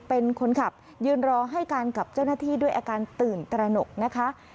เป็นคนขับยืนรอให้การกับเจ้าหน้าที่ด้วยอาการตื่นตระหนกนะคะ